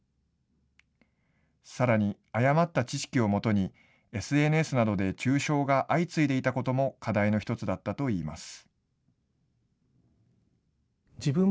さらに誤った知識をもとに、ＳＮＳなどで中傷が相次いでいたことも課題の一つだったといいます。